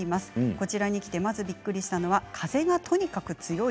こちらに来てまずびっくりしたのは風がとにかく強い。